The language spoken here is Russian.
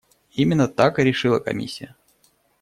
Именно так и решила комиссия.